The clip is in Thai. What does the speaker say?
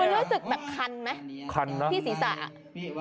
คุณรู้สึกแบบคันไหมคันนะที่ศีรษะ